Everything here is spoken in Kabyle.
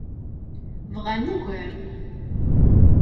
Bɣan ugar.